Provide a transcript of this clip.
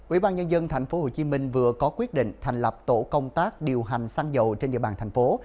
ubnd tp hcm vừa có quyết định thành lập tổ công tác điều hành xăng dầu trên địa bàn tp hcm